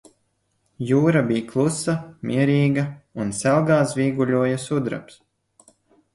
Jūra bij klusa, mierīga un selgā zvīguļoja sudrabs.